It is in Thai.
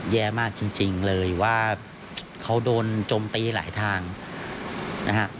แย่มากจริงเลยว่าเขาโดนจมตีหลายทางนะฮะ